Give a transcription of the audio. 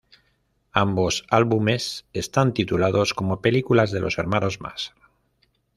Ambos álbumes están titulados como películas de los hermanos Marx.